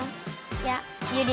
いやゆり